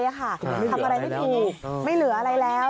ทำอะไรไม่ถูกไม่เหลืออะไรแล้ว